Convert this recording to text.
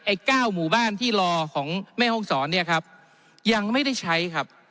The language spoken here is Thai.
๙หมู่บ้านที่รอของแม่ห้องศรเนี่ยครับยังไม่ได้ใช้ครับ